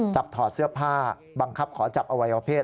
ถอดเสื้อผ้าบังคับขอจับอวัยวเพศ